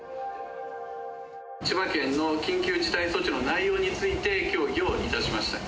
千葉県の緊急事態措置の内容について、協議をいたしました。